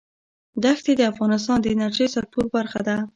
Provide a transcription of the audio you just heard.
دښتې د افغانستان د انرژۍ سکتور برخه ده.